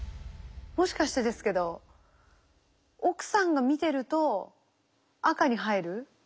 もしかしてですけど奥さんが見てると赤に入る？